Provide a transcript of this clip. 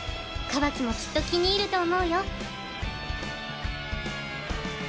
カワキもきっと気に入ると思うよ。